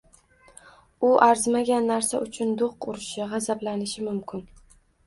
U arzimagan narsa uchun do‘q urishi, g‘azablanishi mumkin